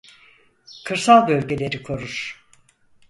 Kırsal bölgeleri korur.